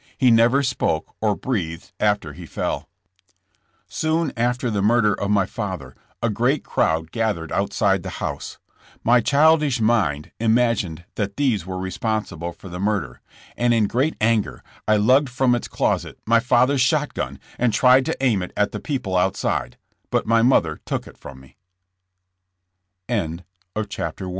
He never spoke or breathed after he fell. Soon after the murder of my father a great crowd gathered outside the house. My childish mind imagined that these were responsible for the murder, and in great anger I lugged from its closet my father's shot gun and tried to aim it at the peopl